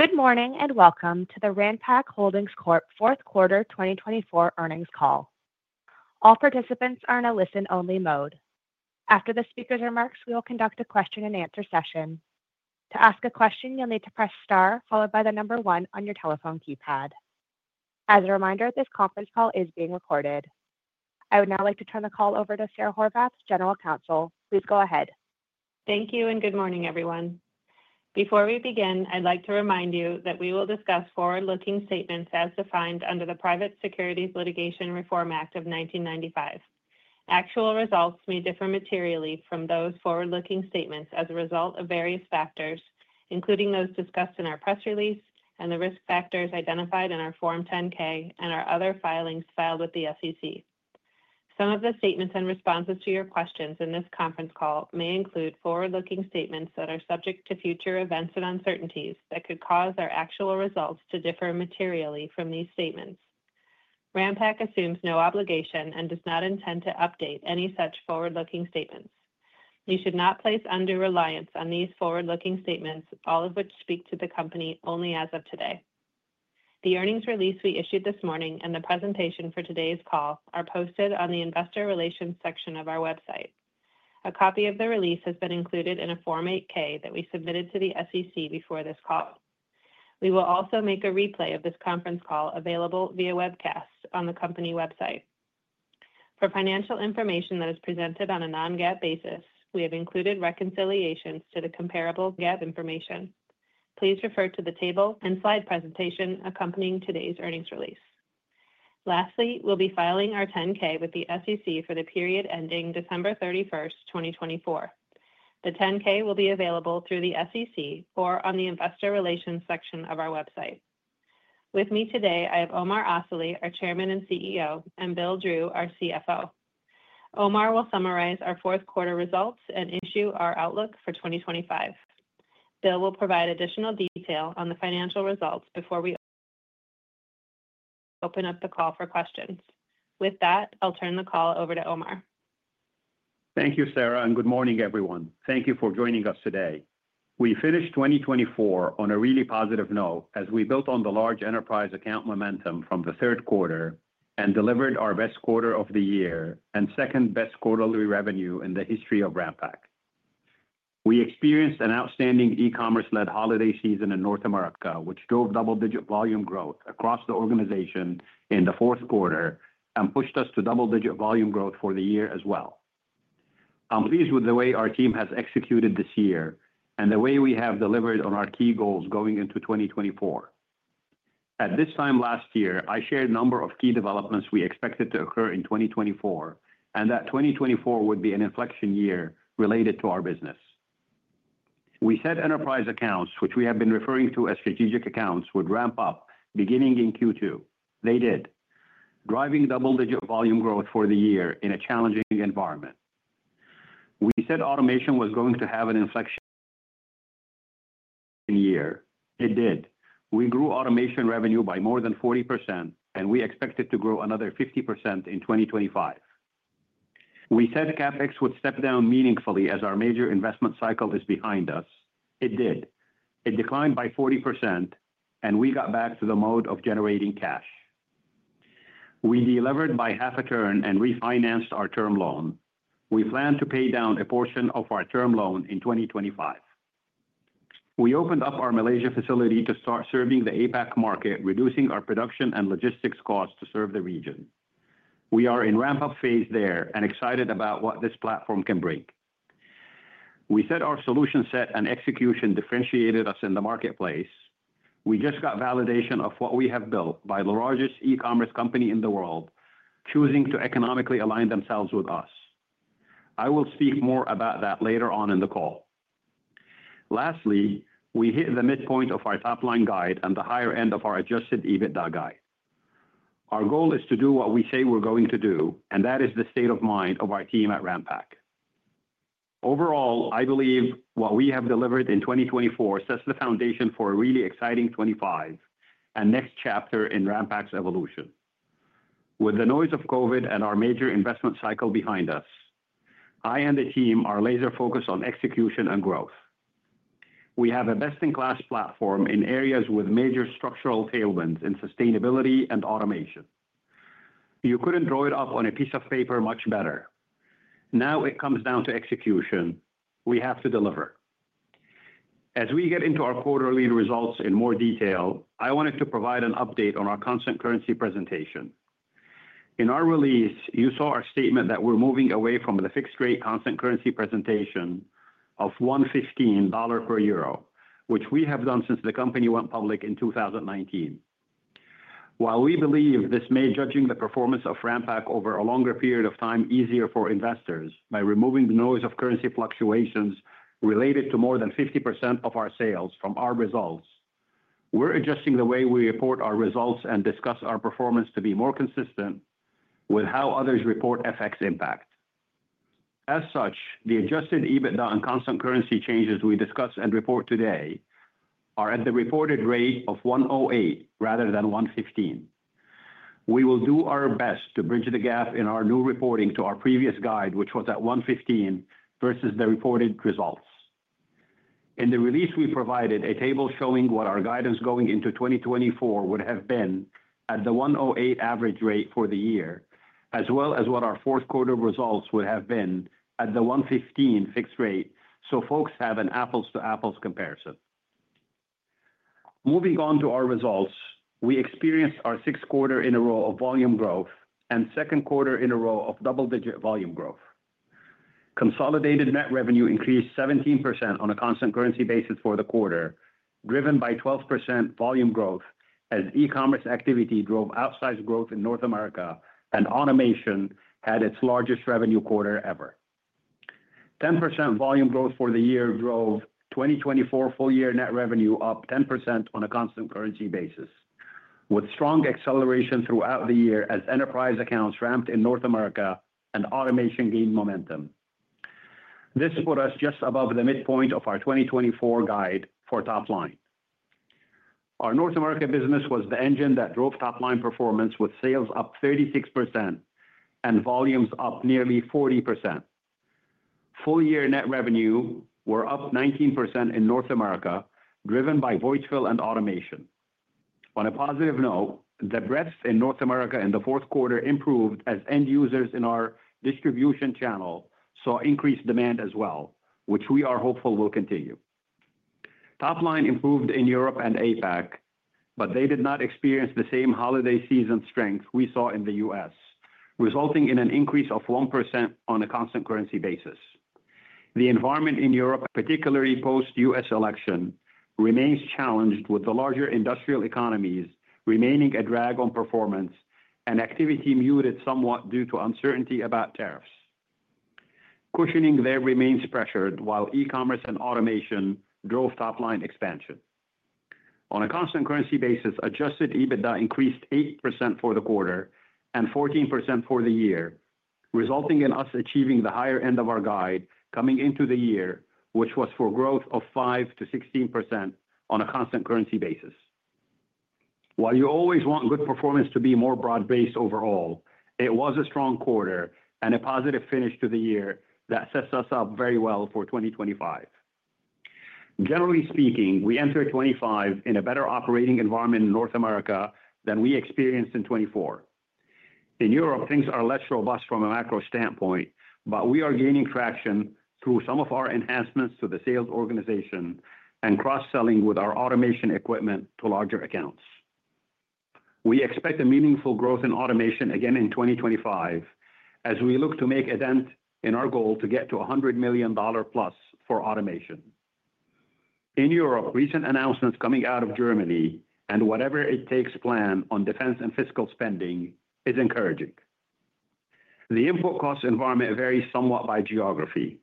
Good morning and welcome to the Ranpak Holdings Corp. Fourth Quarter 2024 earnings call. All participants are in a listen-only mode. After the speaker's remarks, we will conduct a question-and-answer session. To ask a question, you'll need to press star followed by the number one on your telephone keypad. As a reminder, this conference call is being recorded. I would now like to turn the call over to Sara Horvath, General Counsel. Please go ahead. Thank you and good morning, everyone. Before we begin, I'd like to remind you that we will discuss forward-looking statements as defined under the Private Securities Litigation Reform Act of 1995. Actual results may differ materially from those forward-looking statements as a result of various factors, including those discussed in our press release and the risk factors identified in our Form 10-K and our other filings filed with the SEC. Some of the statements and responses to your questions in this conference call may include forward-looking statements that are subject to future events and uncertainties that could cause our actual results to differ materially from these statements. Ranpak assumes no obligation and does not intend to update any such forward-looking statements. You should not place undue reliance on these forward-looking statements, all of which speak to the company only as of today. The earnings release we issued this morning and the presentation for today's call are posted on the Investor Relations section of our website. A copy of the release has been included in a Form 8-K that we submitted to the SEC before this call. We will also make a replay of this conference call available via webcast on the company website. For financial information that is presented on a non-GAAP basis, we have included reconciliations to the comparable GAAP information. Please refer to the table and slide presentation accompanying today's earnings release. Lastly, we'll be filing our 10-K with the SEC for the period ending December 31, 2024. The 10-K will be available through the SEC or on the Investor Relations section of our website. With me today, I have Omar Asali, our Chairman and CEO, and Bill Drew, our CFO. Omar will summarize our fourth quarter results and issue our outlook for 2025. Bill will provide additional detail on the financial results before we open up the call for questions. With that, I'll turn the call over to Omar. Thank you, Sarah, and good morning, everyone. Thank you for joining us today. We finished 2024 on a really positive note as we built on the large enterprise account momentum from the third quarter and delivered our best quarter of the year and second-best quarterly revenue in the history of Ranpak. We experienced an outstanding e-commerce-led holiday season in North America, which drove double-digit volume growth across the organization in the fourth quarter and pushed us to double-digit volume growth for the year as well. I'm pleased with the way our team has executed this year and the way we have delivered on our key goals going into 2024. At this time last year, I shared a number of key developments we expected to occur in 2024 and that 2024 would be an inflection year related to our business. We said enterprise accounts, which we have been referring to as strategic accounts, would ramp up beginning in Q2. They did, driving double-digit volume growth for the year in a challenging environment. We said automation was going to have an inflection year. It did. We grew automation revenue by more than 40%, and we expect to grow another 50% in 2025. We said CapEx would step down meaningfully as our major investment cycle is behind us. It did. It declined by 40%, and we got back to the mode of generating cash. We delivered by half a term and refinanced our term loan. We plan to pay down a portion of our term loan in 2025. We opened up our Malaysia facility to start serving the APAC market, reducing our production and logistics costs to serve the region. We are in ramp-up phase there and excited about what this platform can bring. We said our solution set and execution differentiated us in the marketplace. We just got validation of what we have built by the largest e-commerce company in the world, choosing to economically align themselves with us. I will speak more about that later on in the call. Lastly, we hit the midpoint of our top-line guide and the higher end of our adjusted EBITDA guide. Our goal is to do what we say we're going to do, and that is the state of mind of our team at Ranpak. Overall, I believe what we have delivered in 2024 sets the foundation for a really exciting '25 and next chapter in Ranpak's evolution. With the noise of COVID and our major investment cycle behind us, I and the team are laser-focused on execution and growth. We have a best-in-class platform in areas with major structural tailwinds in sustainability and automation. You couldn't draw it up on a piece of paper much better. Now it comes down to execution. We have to deliver. As we get into our quarterly results in more detail, I wanted to provide an update on our constant currency presentation. In our release, you saw our statement that we're moving away from the fixed-rate constant currency presentation of $1.15 per O, which we have done since the company went public in 2019. While we believe this may, judging the performance of Ranpak over a longer period of time, be easier for investors by removing the noise of currency fluctuations related to more than 50% of our sales from our results, we're adjusting the way we report our results and discuss our performance to be more consistent with how others report FX impact. As such, the adjusted EBITDA and constant currency changes we discuss and report today are at the reported rate of 1.08 rather than 1.15. We will do our best to bridge the gap in our new reporting to our previous guide, which was at 1.15 versus the reported results. In the release, we provided a table showing what our guidance going into 2024 would have been at the 1.08 average rate for the year, as well as what our fourth quarter results would have been at the 1.15 fixed rate, so folks have an apples-to-apples comparison. Moving on to our results, we experienced our sixth quarter in a row of volume growth and second quarter in a row of double-digit volume growth. Consolidated net revenue increased 17% on a constant currency basis for the quarter, driven by 12% volume growth as e-commerce activity drove outsized growth in North America and automation had its largest revenue quarter ever. 10% volume growth for the year drove 2024 full-year net revenue up 10% on a constant currency basis, with strong acceleration throughout the year as enterprise accounts ramped in North America and automation gained momentum. This put us just above the midpoint of our 2024 guide for top-line. Our North America business was the engine that drove top-line performance, with sales up 36% and volumes up nearly 40%. Full-year net revenue was up 19% in North America, driven by voiceful and automation. On a positive note, the breadth in North America in the fourth quarter improved as end users in our distribution channel saw increased demand as well, which we are hopeful will continue. Top-line improved in Europe and APAC, but they did not experience the same holiday season strength we saw in the U.S., resulting in an increase of 1% on a constant currency basis. The environment in Europe, particularly post-U.S. election, remains challenged, with the larger industrial economies remaining a drag on performance and activity muted somewhat due to uncertainty about tariffs. Cushioning there remains pressured, while e-commerce and automation drove top-line expansion. On a constant currency basis, adjusted EBITDA increased 8% for the quarter and 14% for the year, resulting in us achieving the higher end of our guide coming into the year, which was for growth of 5%-16% on a constant currency basis. While you always want good performance to be more broad-based overall, it was a strong quarter and a positive finish to the year that sets us up very well for 2025. Generally speaking, we enter 2025 in a better operating environment in North America than we experienced in 2024. In Europe, things are less robust from a macro standpoint, but we are gaining traction through some of our enhancements to the sales organization and cross-selling with our automation equipment to larger accounts. We expect a meaningful growth in automation again in 2025 as we look to make a dent in our goal to get to $100 million plus for automation. In Europe, recent announcements coming out of Germany and whatever-it-takes plan on defense and fiscal spending is encouraging. The input cost environment varies somewhat by geography.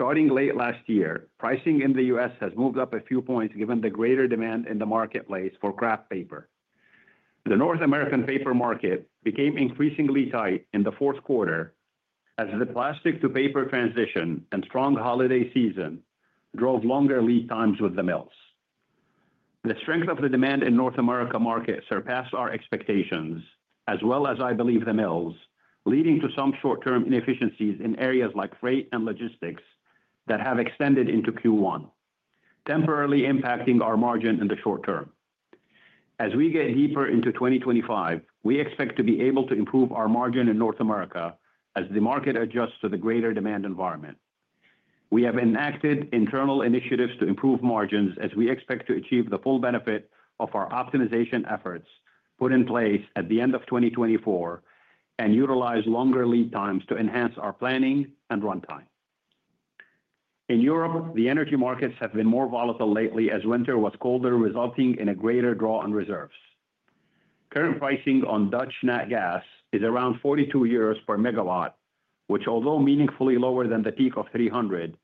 Starting late last year, pricing in the U.S. has moved up a few points given the greater demand in the marketplace for kraft paper. The North American paper market became increasingly tight in the fourth quarter as the plastic-to-paper transition and strong holiday season drove longer lead times with the mills. The strength of the demand in the North America market surpassed our expectations, as well as, I believe, the mills, leading to some short-term inefficiencies in areas like freight and logistics that have extended into Q1, temporarily impacting our margin in the short term. As we get deeper into 2025, we expect to be able to improve our margin in North America as the market adjusts to the greater demand environment. We have enacted internal initiatives to improve margins as we expect to achieve the full benefit of our optimization efforts put in place at the end of 2024 and utilize longer lead times to enhance our planning and runtime. In Europe, the energy markets have been more volatile lately as winter was colder, resulting in a greater draw on reserves. Current pricing on Dutch natural gas is around 42 euros per megawatt, which, although meaningfully lower than the peak of $300,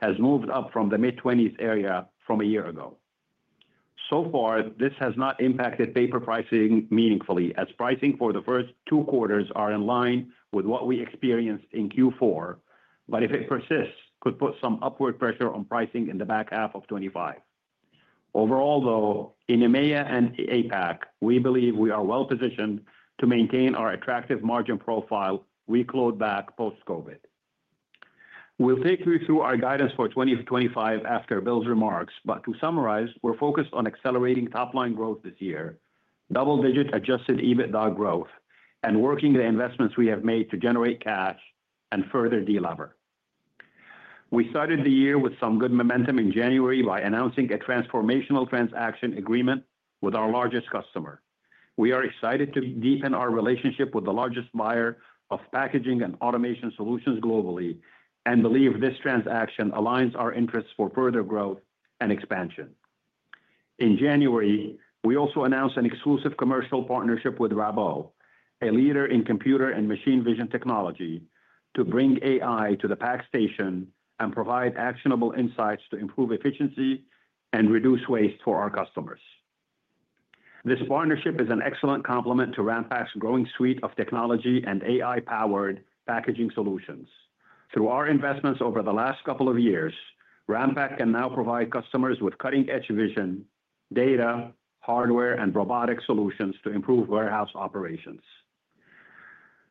has moved up from the mid-20s area from a year ago. So far, this has not impacted paper pricing meaningfully, as pricing for the first two quarters is in line with what we experienced in Q4, but if it persists, it could put some upward pressure on pricing in the back half of 2025. Overall, though, in EMEA and APAC, we believe we are well-positioned to maintain our attractive margin profile we closed back post-COVID. We'll take you through our guidance for 2025 after Bill's remarks, but to summarize, we're focused on accelerating top-line growth this year, double-digit adjusted EBITDA growth, and working the investments we have made to generate cash and further de-lever. We started the year with some good momentum in January by announcing a transformational transaction agreement with our largest customer. We are excited to deepen our relationship with the largest buyer of packaging and automation solutions globally and believe this transaction aligns our interests for further growth and expansion. In January, we also announced an exclusive commercial partnership with Rabo, a leader in computer and machine vision technology, to bring AI to the PAC station and provide actionable insights to improve efficiency and reduce waste for our customers. This partnership is an excellent complement to Ranpak's growing suite of technology and AI-powered packaging solutions. Through our investments over the last couple of years, Ranpak can now provide customers with cutting-edge vision, data, hardware, and robotic solutions to improve warehouse operations.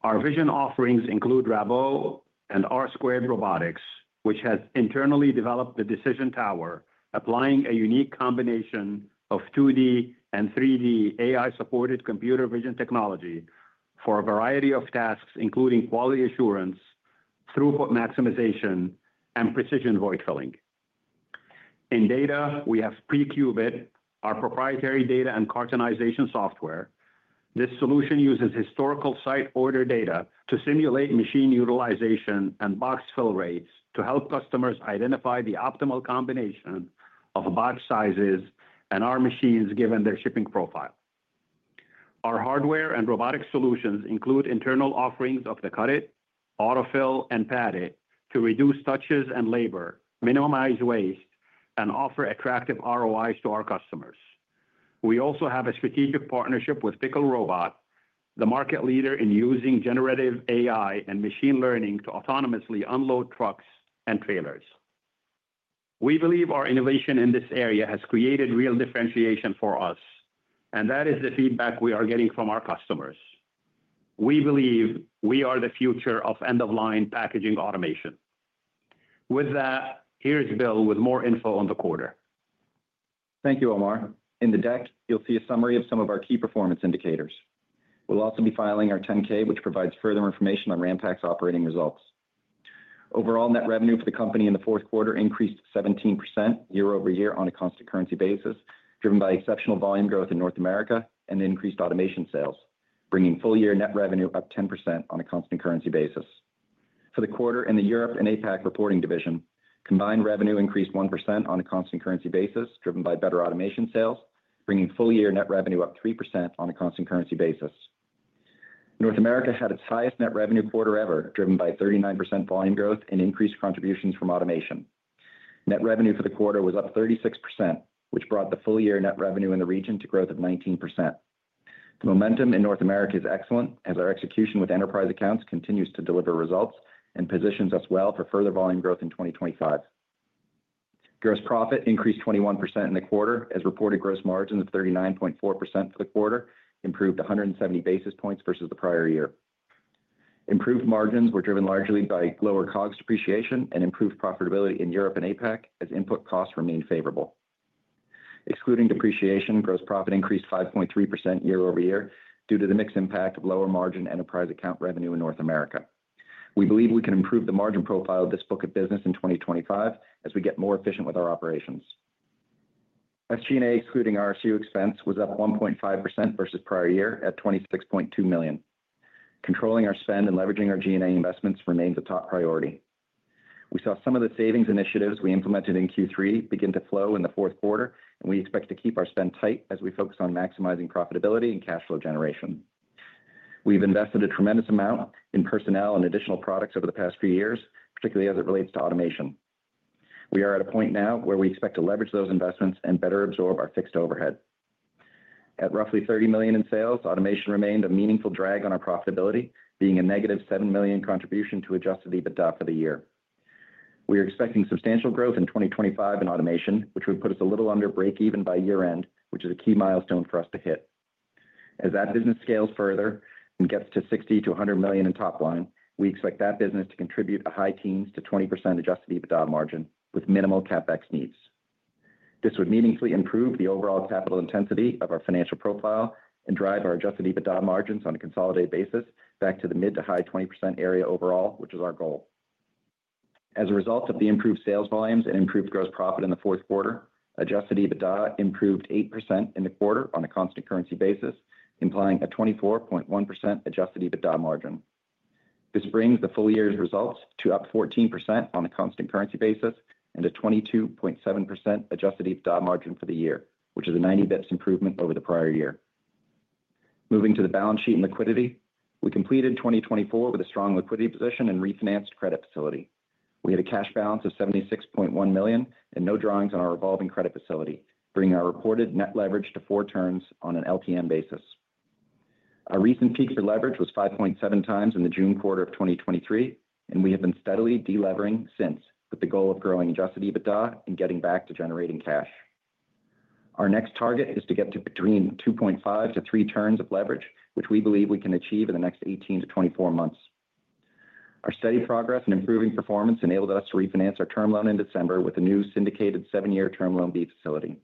Our vision offerings include Rabo and R-Squared Robotics, which has internally developed the Decision Tower, applying a unique combination of 2D and 3D AI-supported computer vision technology for a variety of tasks, including quality assurance, throughput maximization, and precision void filling. In data, we have Precubit, our proprietary data and cartonization software. This solution uses historical site order data to simulate machine utilization and box fill rates to help customers identify the optimal combination of box sizes and our machines given their shipping profile. Our hardware and robotic solutions include internal offerings of the Cut It, AutoFill, and Pad It to reduce touches and labor, minimize waste, and offer attractive ROIs to our customers. We also have a strategic partnership with PickleRobot, the market leader in using generative AI and machine learning to autonomously unload trucks and trailers. We believe our innovation in this area has created real differentiation for us, and that is the feedback we are getting from our customers. We believe we are the future of end-of-line packaging automation. With that, here's Bill with more info on the quarter. Thank you, Omar. In the deck, you'll see a summary of some of our key performance indicators. We'll also be filing our 10-K, which provides further information on Ranpak's operating results. Overall net revenue for the company in the fourth quarter increased 17% year over year on a constant currency basis, driven by exceptional volume growth in North America and increased automation sales, bringing full-year net revenue up 10% on a constant currency basis. For the quarter in the Europe and APAC reporting division, combined revenue increased 1% on a constant currency basis, driven by better automation sales, bringing full-year net revenue up 3% on a constant currency basis. North America had its highest net revenue quarter ever, driven by 39% volume growth and increased contributions from automation. Net revenue for the quarter was up 36%, which brought the full-year net revenue in the region to growth of 19%. The momentum in North America is excellent, as our execution with enterprise accounts continues to deliver results and positions us well for further volume growth in 2025. Gross profit increased 21% in the quarter, as reported gross margins of 39.4% for the quarter improved 170 basis points versus the prior year. Improved margins were driven largely by lower COGS depreciation and improved profitability in Europe and APAC, as input costs remain favorable. Excluding depreciation, gross profit increased 5.3% year over year due to the mixed impact of lower margin enterprise account revenue in North America. We believe we can improve the margin profile of this book of business in 2025 as we get more efficient with our operations. SG&A, excluding RSU expense, was up 1.5% versus prior year at $26.2 million. Controlling our spend and leveraging our G&A investments remains a top priority. We saw some of the savings initiatives we implemented in Q3 begin to flow in the fourth quarter, and we expect to keep our spend tight as we focus on maximizing profitability and cash flow generation. We've invested a tremendous amount in personnel and additional products over the past few years, particularly as it relates to automation. We are at a point now where we expect to leverage those investments and better absorb our fixed overhead. At roughly $30 million in sales, automation remained a meaningful drag on our profitability, being a negative $7 million contribution to adjusted EBITDA for the year. We are expecting substantial growth in 2025 in automation, which would put us a little under break-even by year-end, which is a key milestone for us to hit. As that business scales further and gets to $60-$100 million in top-line, we expect that business to contribute a high teens to 20% adjusted EBITDA margin with minimal CapEx needs. This would meaningfully improve the overall capital intensity of our financial profile and drive our adjusted EBITDA margins on a consolidated basis back to the mid to high 20% area overall, which is our goal. As a result of the improved sales volumes and improved gross profit in the fourth quarter, adjusted EBITDA improved 8% in the quarter on a constant currency basis, implying a 24.1% adjusted EBITDA margin. This brings the full-year results to up 14% on a constant currency basis and a 22.7% adjusted EBITDA margin for the year, which is a 90 basis points improvement over the prior year. Moving to the balance sheet and liquidity, we completed 2024 with a strong liquidity position and refinanced credit facility. We had a cash balance of $76.1 million and no drawings on our revolving credit facility, bringing our reported net leverage to four turns on an LTM basis. Our recent peak for leverage was 5.7 times in the June quarter of 2023, and we have been steadily de-levering since with the goal of growing adjusted EBITDA and getting back to generating cash. Our next target is to get to between 2.5-3 turns of leverage, which we believe we can achieve in the next 18-24 months. Our steady progress and improving performance enabled us to refinance our term loan in December with a new syndicated seven-year term loan B facility.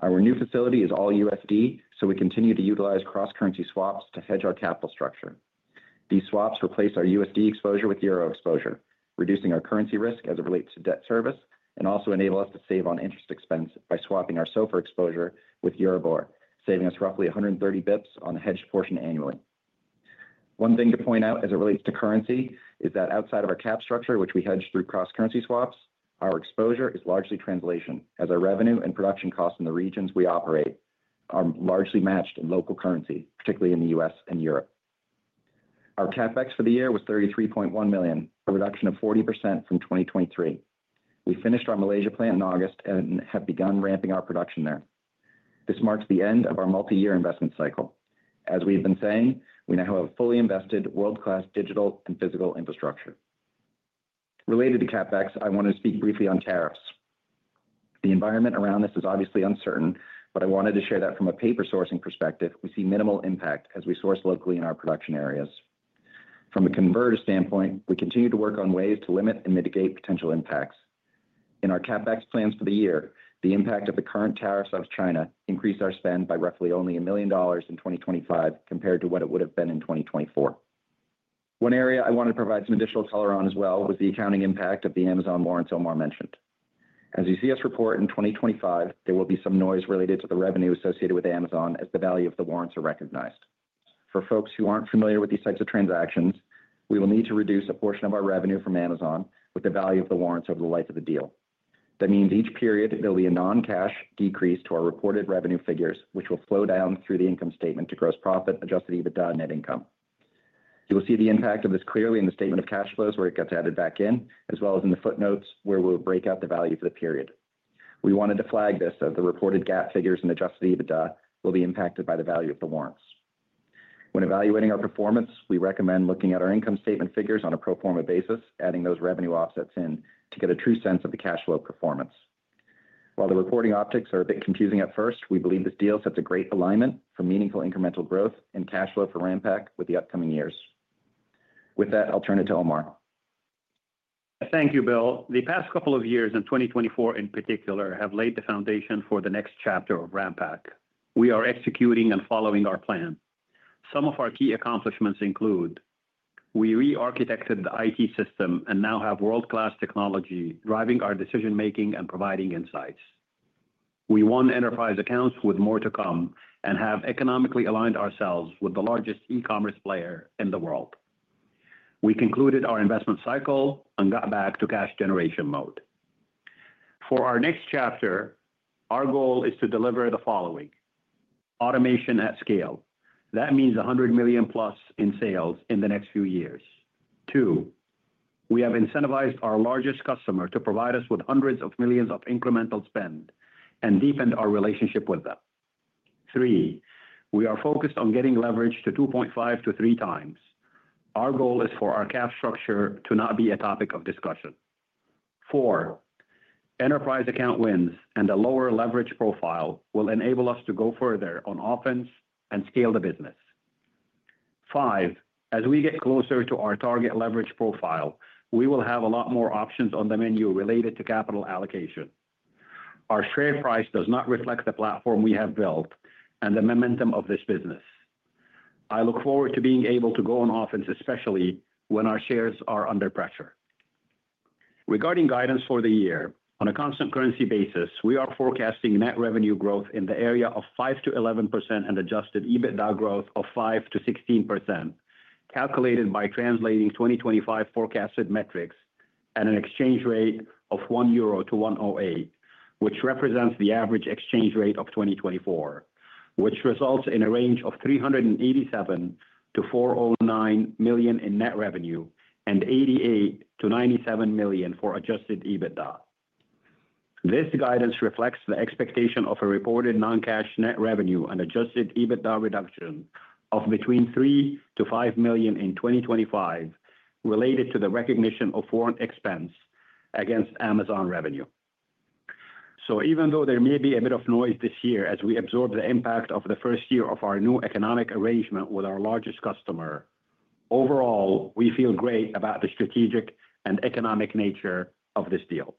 Our new facility is all USD, so we continue to utilize cross-currency swaps to hedge our capital structure. These swaps replace our USD exposure with EUR exposure, reducing our currency risk as it relates to debt service and also enable us to save on interest expense by swapping our SOFR exposure with Euribor, saving us roughly 130 basis points on the hedged portion annually. One thing to point out as it relates to currency is that outside of our cap structure, which we hedge through cross-currency swaps, our exposure is largely translation, as our revenue and production costs in the regions we operate are largely matched in local currency, particularly in the U.S. and Europe. Our CapEx for the year was $33.1 million, a reduction of 40% from 2023. We finished our Malaysia plant in August and have begun ramping our production there. This marks the end of our multi-year investment cycle. As we've been saying, we now have fully invested world-class digital and physical infrastructure. Related to CapEx, I want to speak briefly on tariffs. The environment around this is obviously uncertain, but I wanted to share that from a paper sourcing perspective, we see minimal impact as we source locally in our production areas. From a converged standpoint, we continue to work on ways to limit and mitigate potential impacts. In our CapEx plans for the year, the impact of the current tariffs on China increased our spend by roughly only $1 million in 2025 compared to what it would have been in 2024. One area I wanted to provide some additional color on as well was the accounting impact of the Amazon warrants Omar mentioned. As you see us report in 2025, there will be some noise related to the revenue associated with Amazon as the value of the warrants are recognized. For folks who aren't familiar with these types of transactions, we will need to reduce a portion of our revenue from Amazon with the value of the warrants over the life of the deal. That means each period there will be a non-cash decrease to our reported revenue figures, which will flow down through the income statement to gross profit, adjusted EBITDA, and net income. You will see the impact of this clearly in the statement of cash flows, where it gets added back in, as well as in the footnotes where we'll break out the value for the period. We wanted to flag this as the reported GAAP figures in adjusted EBITDA will be impacted by the value of the warrants. When evaluating our performance, we recommend looking at our income statement figures on a pro forma basis, adding those revenue offsets in to get a true sense of the cash flow performance. While the reporting optics are a bit confusing at first, we believe this deal sets a great alignment for meaningful incremental growth in cash flow for Ranpak with the upcoming years. With that, I'll turn it to Omar. Thank you, Bill. The past couple of years, and 2024 in particular, have laid the foundation for the next chapter of Ranpak. We are executing and following our plan. Some of our key accomplishments include we re-architected the IT system and now have world-class technology driving our decision-making and providing insights. We won enterprise accounts with more to come and have economically aligned ourselves with the largest e-commerce player in the world. We concluded our investment cycle and got back to cash generation mode. For our next chapter, our goal is to deliver the following: automation at scale. That means $100 million plus in sales in the next few years. Two, we have incentivized our largest customer to provide us with hundreds of millions of incremental spend and deepened our relationship with them. Three, we are focused on getting leverage to 2.5-3 times. Our goal is for our cap structure to not be a topic of discussion. Four, enterprise account wins and a lower leverage profile will enable us to go further on offense and scale the business. Five, as we get closer to our target leverage profile, we will have a lot more options on the menu related to capital allocation. Our share price does not reflect the platform we have built and the momentum of this business. I look forward to being able to go on offense, especially when our shares are under pressure. Regarding guidance for the year, on a constant currency basis, we are forecasting net revenue growth in the area of 5%-11% and adjusted EBITDA growth of 5%-16%, calculated by translating 2025 forecasted metrics at an exchange rate of 1 euro to 1.08 USD, which represents the average exchange rate of 2024, which results in a range of $387 million-$409 million in net revenue and $88 million-$97 million for adjusted EBITDA. This guidance reflects the expectation of a reported non-cash net revenue and adjusted EBITDA reduction of between $3 million and $5 million in 2025, related to the recognition of foreign expense against Amazon revenue. Even though there may be a bit of noise this year as we absorb the impact of the first year of our new economic arrangement with our largest customer, overall, we feel great about the strategic and economic nature of this deal.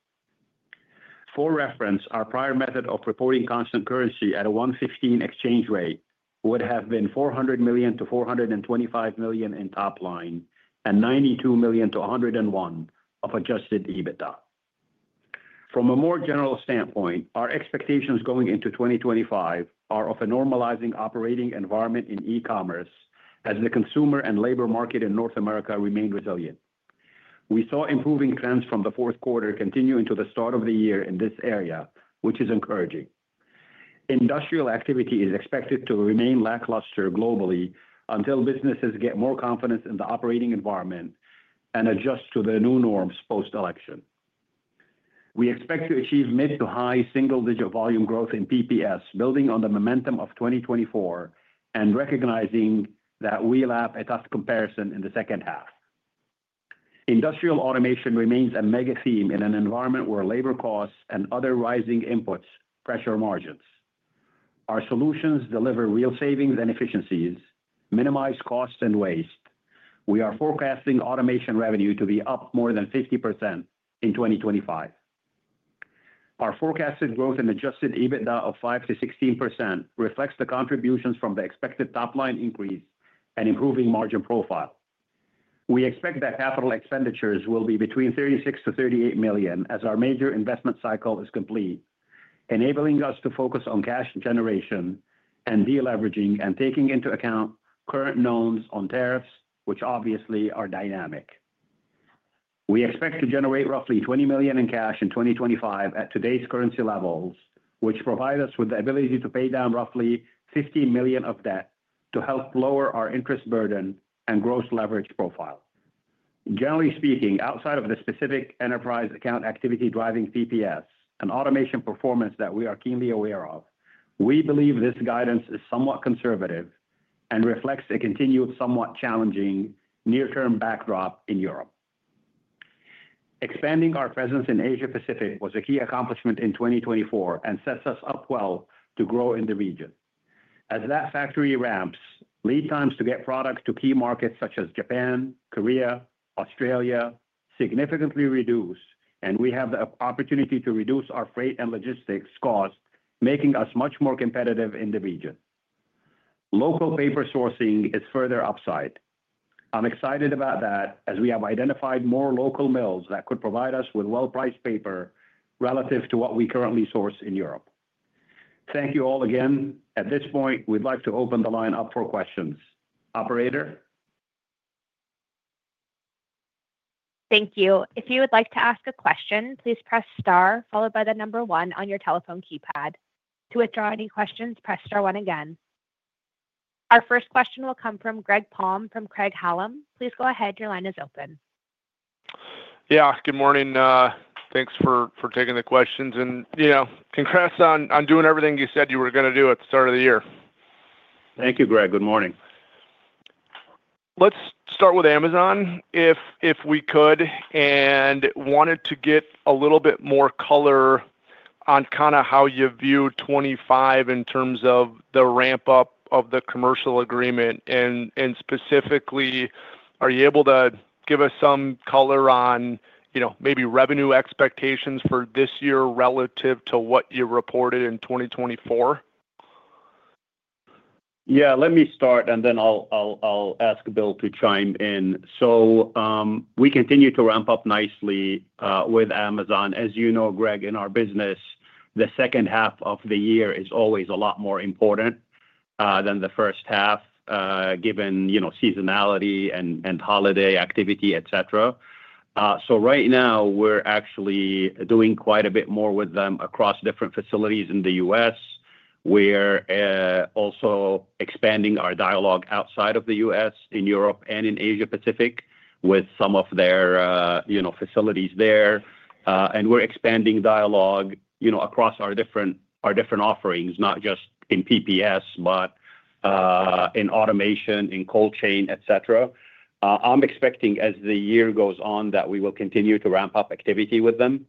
For reference, our prior method of reporting constant currency at a 1.15 exchange rate would have been $400 million-$425 million in top line and $92 million-$101 million of adjusted EBITDA. From a more general standpoint, our expectations going into 2025 are of a normalizing operating environment in e-commerce as the consumer and labor market in North America remain resilient. We saw improving trends from the fourth quarter continue into the start of the year in this area, which is encouraging. Industrial activity is expected to remain lackluster globally until businesses get more confidence in the operating environment and adjust to the new norms post-election. We expect to achieve mid to high single-digit volume growth in PPS, building on the momentum of 2024 and recognizing that we lack a tough comparison in the second half. Industrial automation remains a mega theme in an environment where labor costs and other rising inputs pressure margins. Our solutions deliver real savings and efficiencies, minimize costs and waste. We are forecasting automation revenue to be up more than 50% in 2025. Our forecasted growth in adjusted EBITDA of 5%-16% reflects the contributions from the expected top-line increase and improving margin profile. We expect that capital expenditures will be between $36 million-$38 million as our major investment cycle is complete, enabling us to focus on cash generation and de-leveraging and taking into account current knowns on tariffs, which obviously are dynamic. We expect to generate roughly $20 million in cash in 2025 at today's currency levels, which provide us with the ability to pay down roughly $50 million of debt to help lower our interest burden and gross leverage profile. Generally speaking, outside of the specific enterprise account activity driving PPS and automation performance that we are keenly aware of, we believe this guidance is somewhat conservative and reflects a continued somewhat challenging near-term backdrop in Europe. Expanding our presence in Asia-Pacific was a key accomplishment in 2024 and sets us up well to grow in the region. As that factory ramps, lead times to get product to key markets such as, Korea, Australia significantly reduce, and we have the opportunity to reduce our freight and logistics cost, making us much more competitive in the region. Local paper sourcing is further upside. I'm excited about that as we have identified more local mills that could provide us with well-priced paper relative to what we currently source in Europe. Thank you all again. At this point, we'd like to open the line up for questions. Operator? Thank you. If you would like to ask a question, please press Star followed by the number one on your telephone keypad. To withdraw any questions, press Star one again. Our first question will come from Greg Palm from Craig-Hallum. Please go ahead. Your line is open. Yeah, good morning. Thanks for taking the questions. Congrats on doing everything you said you were going to do at the start of the year. Thank you, Greg. Good morning. Let's start with Amazon if we could and wanted to get a little bit more color on kind of how you view 2025 in terms of the ramp-up of the commercial agreement. And specifically, are you able to give us some color on maybe revenue expectations for this year relative to what you reported in 2024? Yeah, let me start, and then I'll ask Bill to chime in. So we continue to ramp up nicely with Amazon. As you know, Greg, in our business, the second half of the year is always a lot more important than the first half given seasonality and holiday activity, etc. Right now, we're actually doing quite a bit more with them across different facilities in the U.S. We're also expanding our dialogue outside of the U.S., in Europe and in Asia-Pacific with some of their facilities there. We're expanding dialogue across our different offerings, not just in PPS, but in automation, in cold chain, etc. I'm expecting as the year goes on that we will continue to ramp up activity with them.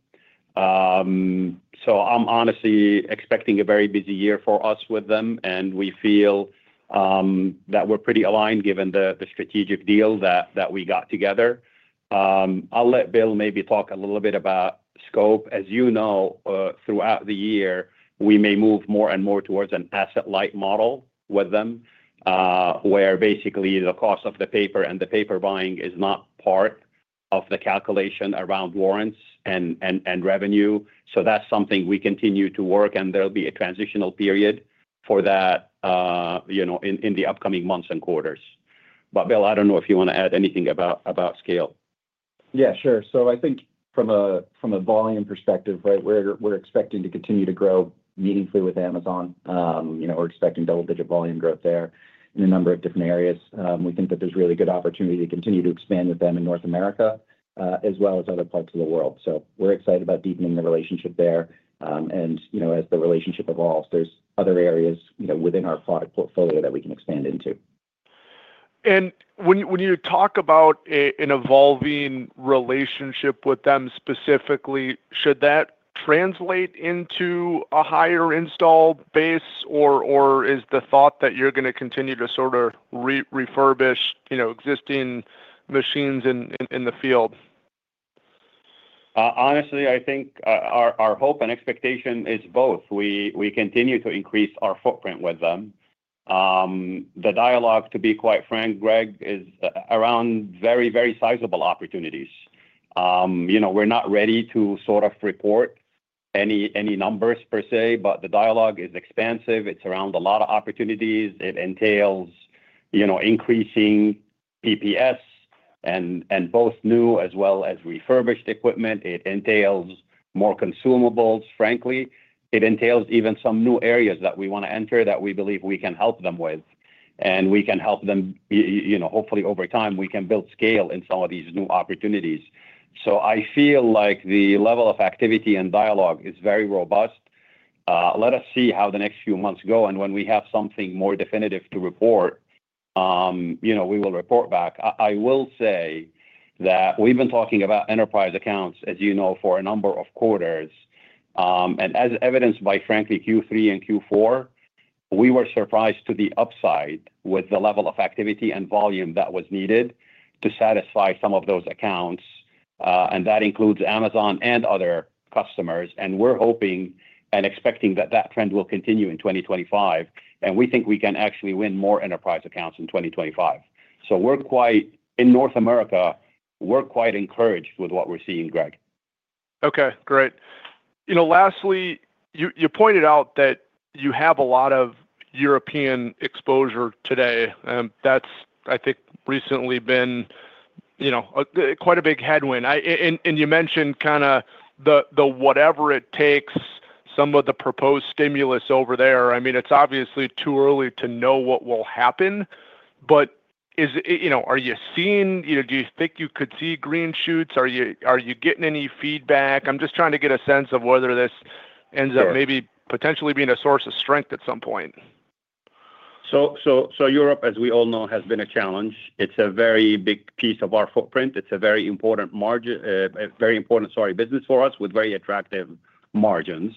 I am honestly expecting a very busy year for us with them, and we feel that we're pretty aligned given the strategic deal that we got together. I'll let Bill maybe talk a little bit about scope. As you know, throughout the year, we may move more and more towards an asset-light model with them where basically the cost of the paper and the paper buying is not part of the calculation around warrants and revenue. That's something we continue to work, and there will be a transitional period for that in the upcoming months and quarters. Bill, I don't know if you want to add anything about scale. Yeah, sure. I think from a volume perspective, right, we're expecting to continue to grow meaningfully with Amazon. We're expecting double-digit volume growth there in a number of different areas. We think that there's really good opportunity to continue to expand with them in North America as well as other parts of the world. We're excited about deepening the relationship there. As the relationship evolves, there's other areas within our product portfolio that we can expand into. When you talk about an evolving relationship with them specifically, should that translate into a higher install base or is the thought that you're going to continue to sort of refurbish existing machines in the field? Honestly, I think our hope and expectation is both. We continue to increase our footprint with them. The dialogue, to be quite frank, Greg, is around very, very sizable opportunities. We're not ready to sort of report any numbers per se, but the dialogue is expansive. It's around a lot of opportunities. It entails increasing PPS and both new as well as refurbished equipment. It entails more consumables, frankly. It entails even some new areas that we want to enter that we believe we can help them with. We can help them, hopefully over time, we can build scale in some of these new opportunities. I feel like the level of activity and dialogue is very robust. Let us see how the next few months go. When we have something more definitive to report, we will report back. I will say that we've been talking about enterprise accounts, as you know, for a number of quarters. As evidenced by, frankly, Q3 and Q4, we were surprised to the upside with the level of activity and volume that was needed to satisfy some of those accounts. That includes Amazon and other customers. We are hoping and expecting that trend will continue in 2025. We think we can actually win more enterprise accounts in 2025. In North America, we are quite encouraged with what we are seeing, Greg. Okay, great. Lastly, you pointed out that you have a lot of European exposure today. That has, I think, recently been quite a big headwind. You mentioned kind of the whatever it takes, some of the proposed stimulus over there. I mean, it is obviously too early to know what will happen. Are you seeing, do you think you could see green shoots? Are you getting any feedback? I'm just trying to get a sense of whether this ends up maybe potentially being a source of strength at some point. Europe, as we all know, has been a challenge. It's a very big piece of our footprint. It's a very important, margin, very important, sorry, business for us with very attractive margins.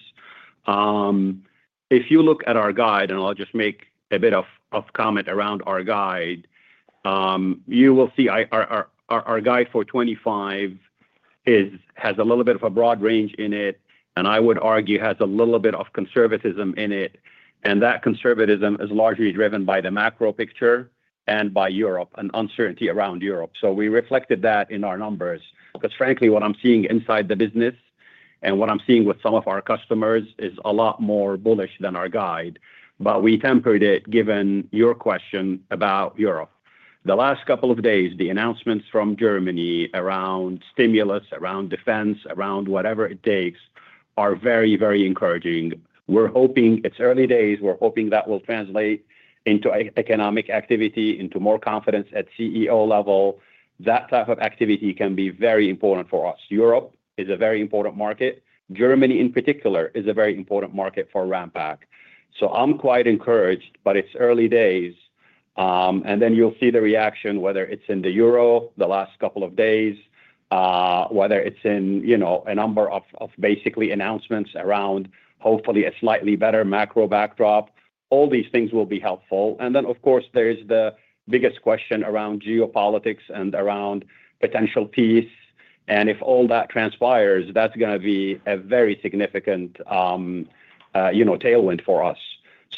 If you look at our guide, and I'll just make a bit of comment around our guide, you will see our guide for 2025 has a little bit of a broad range in it, and I would argue has a little bit of conservatism in it. That conservatism is largely driven by the macro picture and by Europe and uncertainty around Europe. We reflected that in our numbers because, frankly, what I'm seeing inside the business and what I'm seeing with some of our customers is a lot more bullish than our guide. We tempered it given your question about Europe. The last couple of days, the announcements from Germany around stimulus, around defense, around whatever it takes are very, very encouraging. We're hoping it's early days. We're hoping that will translate into economic activity, into more confidence at CEO level. That type of activity can be very important for us. Europe is a very important market. Germany, in particular, is a very important market for Ranpak. I'm quite encouraged, but it's early days. You'll see the reaction, whether it's in the EUR the last couple of days, whether it's in a number of basically announcements around hopefully a slightly better macro backdrop. All these things will be helpful. Of course, there is the biggest question around geopolitics and around potential peace. If all that transpires, that's going to be a very significant tailwind for us.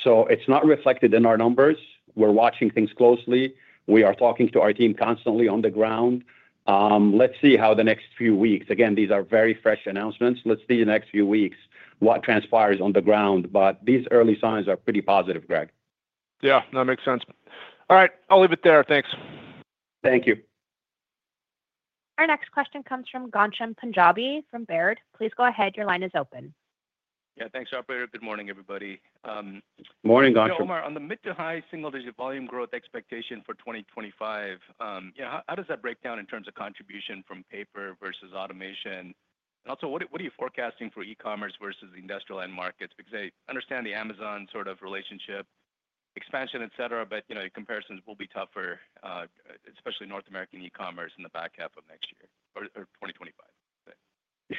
It is not reflected in our numbers. We are watching things closely. We are talking to our team constantly on the ground. Let's see how the next few weeks go. Again, these are very fresh announcements. Let's see the next few weeks what transpires on the ground. These early signs are pretty positive, Greg. Yeah, that makes sense. All right. I'll leave it there. Thanks. Thank you. Our next question comes from Ghansham Panjabi from Baird. Please go ahead. Your line is open. Yeah, thanks, Operator. Good morning, everybody. Morning, Ghansham. Drill more on the mid to high single-digit volume growth expectation for 2025. How does that break down in terms of contribution from paper versus automation? Also, what are you forecasting for e-commerce versus industrial end markets? Because I understand the Amazon sort of relationship, expansion, etc., but comparisons will be tougher, especially North American e-commerce in the back half of next year or 2025.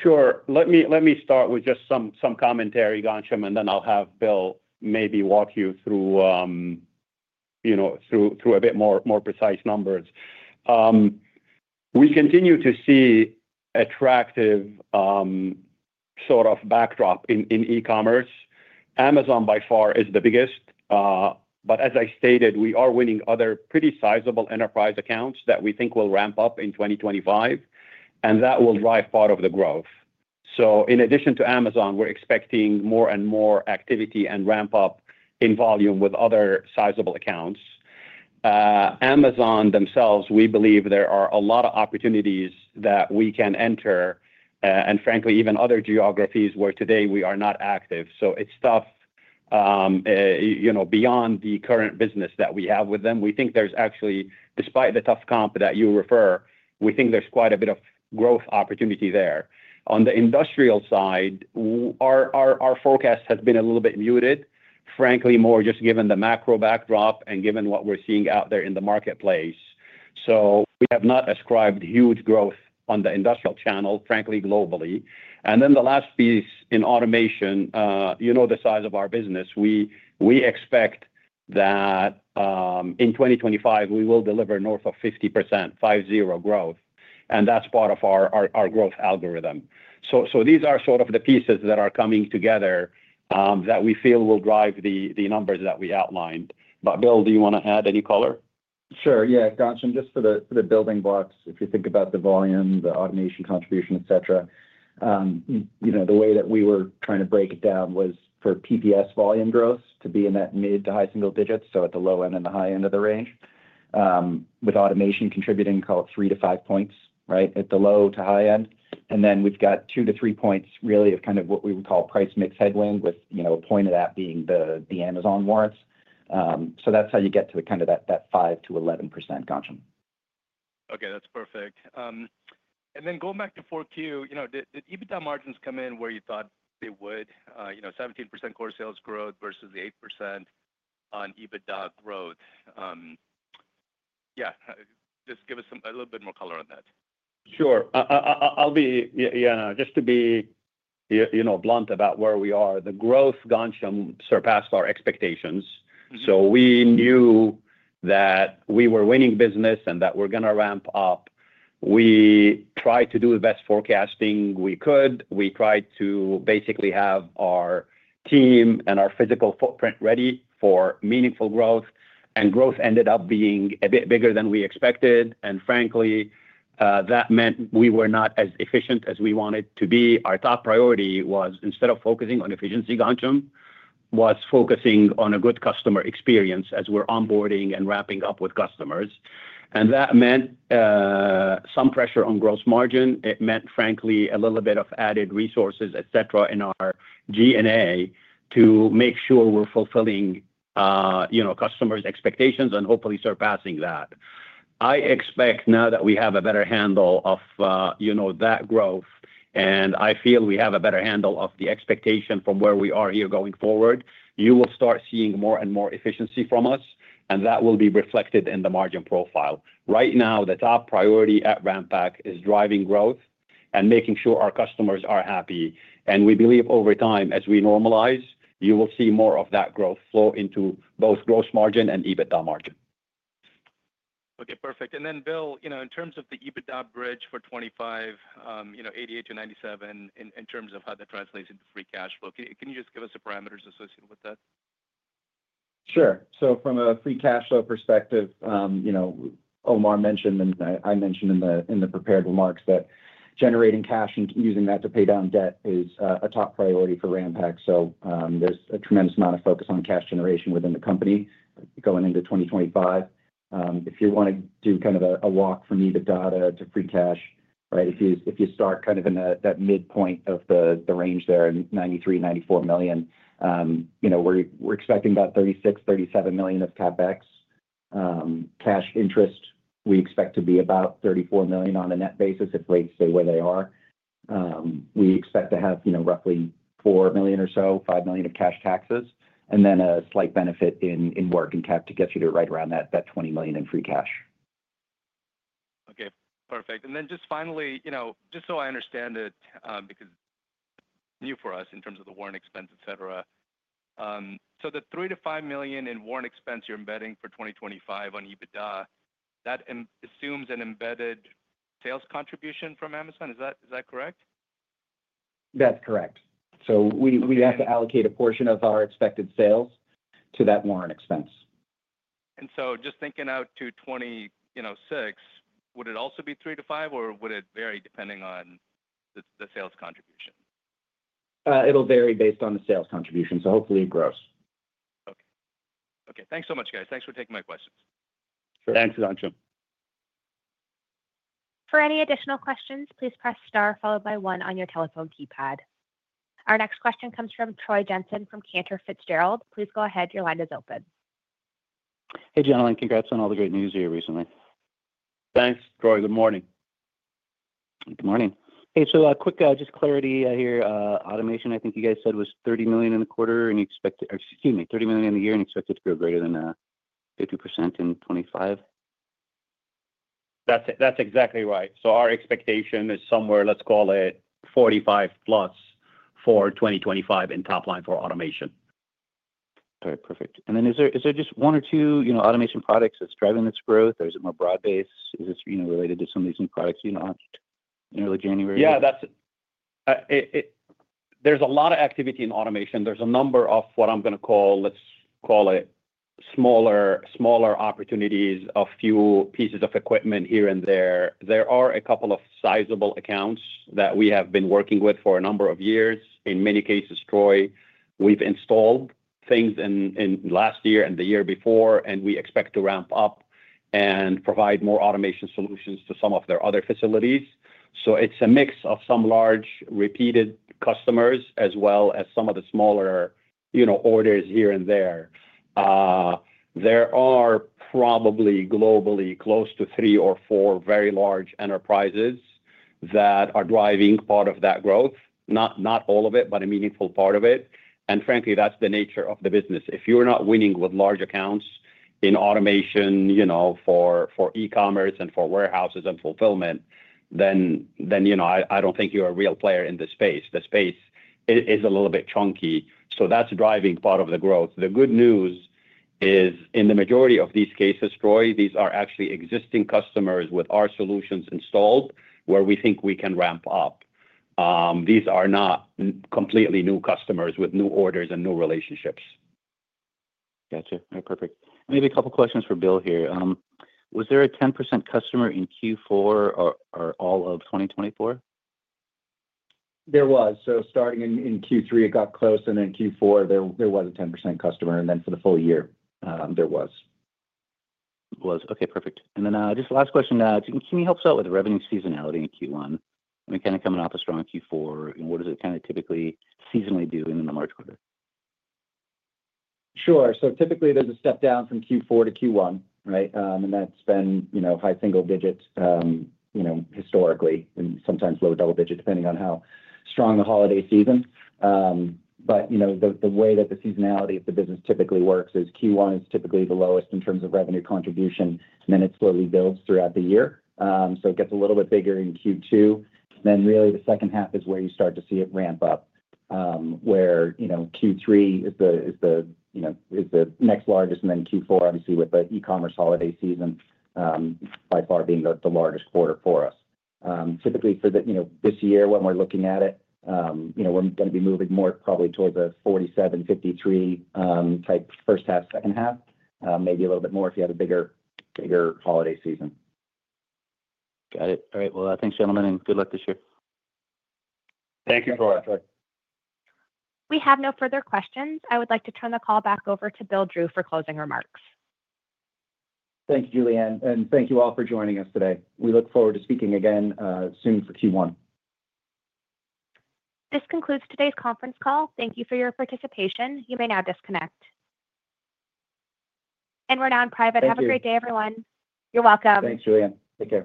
Sure. Let me start with just some commentary, Ghansham, and then I'll have Bill maybe walk you through a bit more precise numbers. We continue to see attractive sort of backdrop in e-commerce. Amazon, by far, is the biggest. As I stated, we are winning other pretty sizable enterprise accounts that we think will ramp up in 2025, and that will drive part of the growth. In addition to Amazon, we're expecting more and more activity and ramp-up in volume with other sizable accounts. Amazon themselves, we believe there are a lot of opportunities that we can enter and, frankly, even other geographies where today we are not active. It's tough beyond the current business that we have with them. We think there's actually, despite the tough comp that you refer, we think there's quite a bit of growth opportunity there. On the industrial side, our forecast has been a little bit muted, frankly, more just given the macro backdrop and given what we're seeing out there in the marketplace. We have not ascribed huge growth on the industrial channel, frankly, globally. The last piece in automation, you know the size of our business. We expect that in 2025, we will deliver north of 50%, five-zero growth. That's part of our growth algorithm. These are sort of the pieces that are coming together that we feel will drive the numbers that we outlined. Bill, do you want to add any color? Sure. Yeah, Ghansham, just for the building blocks, if you think about the volume, the automation contribution, etc., the way that we were trying to break it down was for PPS volume growth to be in that mid to high single digits, so at the low end and the high end of the range, with automation contributing about three to five points, right, at the low to high end. Then we have two to three points really of kind of what we would call price mix headwind, with a point of that being the Amazon warrants. That is how you get to kind of that 5-11%, Ghansham. Okay, that is perfect. Then going back to Q4, did EBITDA margins come in where you thought they would? 17% core sales growth versus the 8% on EBITDA growth. Yeah, just give us a little bit more color on that. Sure. Yeah, just to be blunt about where we are, the growth, Ghansham, surpassed our expectations. We knew that we were winning business and that we were going to ramp up. We tried to do the best forecasting we could. We tried to basically have our team and our physical footprint ready for meaningful growth. Growth ended up being a bit bigger than we expected. Frankly, that meant we were not as efficient as we wanted to be. Our top priority was, instead of focusing on efficiency, Ghansham, was focusing on a good customer experience as we were onboarding and ramping up with customers. That meant some pressure on gross margin. It meant, frankly, a little bit of added resources, etc., in our G&A to make sure we were fulfilling customers' expectations and hopefully surpassing that. I expect now that we have a better handle of that growth, and I feel we have a better handle of the expectation from where we are here going forward, you will start seeing more and more efficiency from us, and that will be reflected in the margin profile. Right now, the top priority at Ranpak is driving growth and making sure our customers are happy. We believe over time, as we normalize, you will see more of that growth flow into both gross margin and EBITDA margin. Okay, perfect. Bill, in terms of the EBITDA bridge for 2025, $88 million-$97 million, in terms of how that translates into free cash flow, can you just give us the parameters associated with that? Sure. From a free cash flow perspective, Omar mentioned, and I mentioned in the prepared remarks that generating cash and using that to pay down debt is a top priority for Ranpak. There is a tremendous amount of focus on cash generation within the company going into 2025. If you want to do kind of a walk from EBITDA to free cash, right, if you start kind of in that midpoint of the range there in $93 million-$94 million, we are expecting about $36 million-$37 million of CapEx. Cash interest, we expect to be about $34 million on a net basis if rates stay where they are. We expect to have roughly $4 million or so, $5 million of cash taxes, and then a slight benefit in working cap to get you to right around that $20 million in free cash. Okay, perfect. Just finally, just so I understand it, because new for us in terms of the warrant expense, etc., the $3-5 million in warrant expense you're embedding for 2025 on EBITDA, that assumes an embedded sales contribution from Amazon. Is that correct? That's correct. We have to allocate a portion of our expected sales to that warrant expense. Just thinking out to 2026, would it also be $3-5 million, or would it vary depending on the sales contribution? It'll vary based on the sales contribution. Hopefully it grows. Okay. Okay. Thanks so much, guys. Thanks for taking my questions. Thanks, Ghansham. For any additional questions, please press star followed by one on your telephone keypad. Our next question comes from Troy Jensen from Cantor Fitzgerald. Please go ahead. Your line is open. Hey, gentlemen. Congrats on all the great news here recently. Thanks, Troy. Good morning. Good morning. Hey, so a quick just clarity here. Automation, I think you guys said was $30 million in the quarter, and you expect to—excuse me—$30 million in the year, and you expect it to grow greater than 50% in 2025? That's exactly right. Our expectation is somewhere, let's call it $45 million plus for 2025 in top line for automation. All right. Perfect. Is there just one or two automation products that's driving this growth, or is it more broad-based? Is this related to some of these new products in early January? Yeah. There's a lot of activity in automation. There's a number of what I'm going to call, let's call it, smaller opportunities of few pieces of equipment here and there. There are a couple of sizable accounts that we have been working with for a number of years. In many cases, Troy, we've installed things last year and the year before, and we expect to ramp up and provide more automation solutions to some of their other facilities. It is a mix of some large repeated customers as well as some of the smaller orders here and there. There are probably globally close to three or four very large enterprises that are driving part of that growth, not all of it, but a meaningful part of it. Frankly, that is the nature of the business. If you're not winning with large accounts in automation for e-commerce and for warehouses and fulfillment, then I do not think you're a real player in this space. The space is a little bit chunky. That is driving part of the growth. The good news is, in the majority of these cases, Troy, these are actually existing customers with our solutions installed where we think we can ramp up. These are not completely new customers with new orders and new relationships. Gotcha. All right. Perfect. Maybe a couple of questions for Bill here. Was there a 10% customer in Q4 or all of 2024? There was. Starting in Q3, it got close, and then Q4, there was a 10% customer. For the full year, there was. Was. Okay. Perfect. Last question. Can you help us out with revenue seasonality in Q1? We're kind of coming off a strong Q4. What does it kind of typically seasonally do in the March quarter? Sure. Typically, there's a step down from Q4 to Q1, right? That has been high single digits historically and sometimes low double digits, depending on how strong the holiday season is. The way that the seasonality of the business typically works is Q1 is typically the lowest in terms of revenue contribution, and then it slowly builds throughout the year. It gets a little bit bigger in Q2. Really, the second half is where you start to see it ramp up, where Q3 is the next largest, and then Q4, obviously, with the e-commerce holiday season, is by far the largest quarter for us. Typically, for this year, when we are looking at it, we are going to be moving more probably towards a 47-53% type first half, second half, maybe a little bit more if you have a bigger holiday season. Got it. All right. Thanks, gentlemen, and good luck this year. Thank you, Troy. We have no further questions. I would like to turn the call back over to Bill Drew for closing remarks. Thank you, Julianne. And thank you all for joining us today. We look forward to speaking again soon for Q1. This concludes today's conference call. Thank you for your participation. You may now disconnect. And we're now on private. Have a great day, everyone. You're welcome. Thanks, Julianne. Take care.